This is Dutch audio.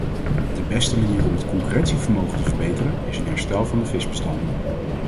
De beste manier om het concurrentievermogen te verbeteren is een herstel van de visbestanden.